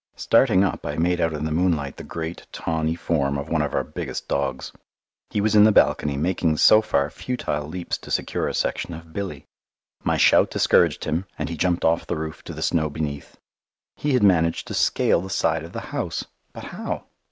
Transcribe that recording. Starting up, I made out in the moonlight the great tawny form of one of our biggest dogs. He was in the balcony making so far futile leaps to secure a section of Billy. My shout discouraged him, and he jumped off the roof to the snow beneath. He had managed to scale the side of the house but how?